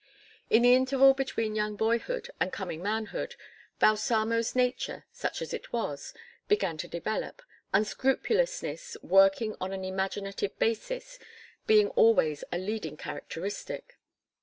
In the interval between young boyhood and coming manhood, Balsamo's nature such as it was began to develop, unscrupulousness working on an imaginative basis being always a leading characteristic.